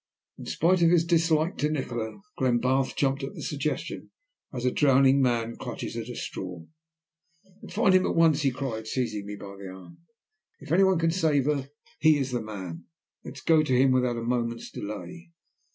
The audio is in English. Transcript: In spite of his dislike to Nikola, Glenbarth jumped at the suggestion as a drowning man clutches at a straw. "Let us find him at once," he cried, seizing me by the arm. "If any one can save her he is the man. Let us go to him without a moment's delay."